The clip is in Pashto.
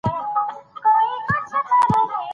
هغه ساه اخیستل چې په ګروپي بڼه ترسره کېږي، ګټور دی.